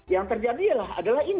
yang terjadi iyalah ada jutaan